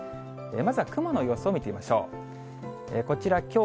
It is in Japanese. まずは雲の様子を見てみましょう。